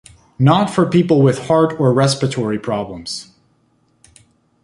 Not for people with heart or respiratory problems.